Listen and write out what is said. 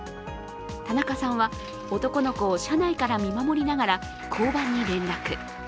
田仲さんは男の子を車内から見守りながら交番に連絡。